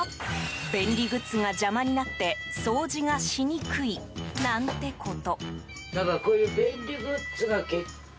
便利グッズが邪魔になって掃除がしにくいなんてこと。